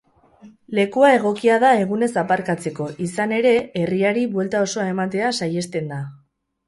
Lekua egokia da egunez aparkatzeko, izan ere herriari buelta osoa ematea sahiesten da.